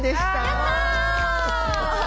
やった！